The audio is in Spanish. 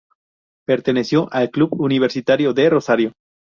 Perteneció al club Universitario de Rosario.